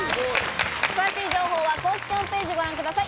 詳しい情報は公式ホームページをご覧ください。